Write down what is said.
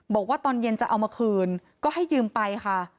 บอกว่าตอนเย็นจะเอามาคืนก็ให้ยืมไปค่ะ